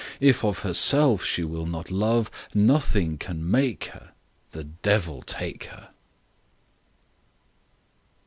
If of herself she will not love, Nothing can make her : The devil take her